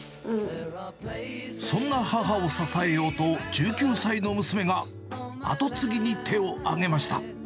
そんな母を支えようと、１９歳の娘が後継ぎに手を上げました。